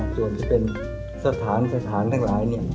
ส่วนที่เป็นสถานทั้งหลาย